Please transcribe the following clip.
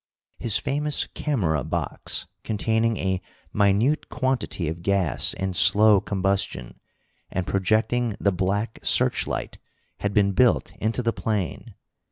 His famous camera box, containing a minute quantity of gas in slow combustion, and projecting the black searchlight, had been built into the plane.